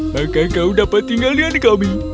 bahkan kau dapat tinggal lihat kami